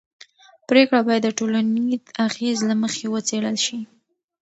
پرېکړې باید د ټولنیز اغېز له مخې وڅېړل شي